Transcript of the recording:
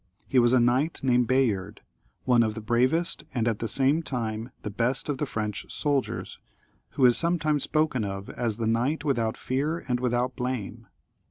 He was a knight named Bayard, one of the bravest and at the same time the best of the French soldiers, who is sometimes spoken of as the knight without fear and without blame.